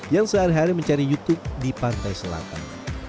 yang sehari hari mencari youtube di pantai selatan